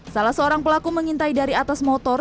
salah seorang pelaku mengintai dari atas motor